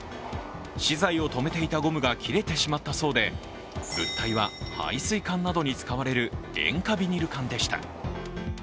資材をとめていたゴムが切れてしまったそうで物体は配水管などに使われる塩化ビニル管でした。